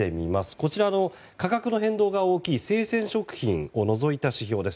こちら、価格の変動が大きい生鮮食品を除いた指標です。